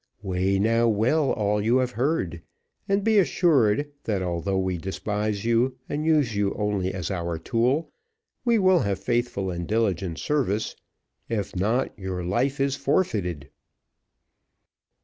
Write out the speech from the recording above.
Weigh now well all you have heard, and be assured, that although we despise you, and use you only as our tool, we will have faithful and diligent service; if not, your life is forfeited."